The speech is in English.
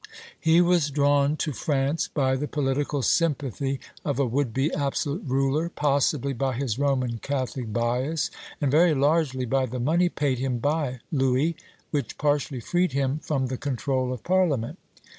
He was drawn to France by the political sympathy of a would be absolute ruler, possibly by his Roman Catholic bias, and very largely by the money paid him by Louis, which partially freed him from the control of Parliament.